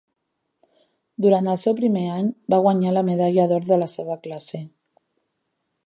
Durant el seu primer any, va guanyar la medalla d'or de la seva classe.